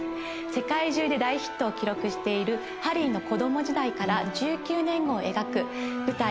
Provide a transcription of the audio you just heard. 世界中で大ヒットを記録しているハリーの子ども時代から１９年後を描く舞台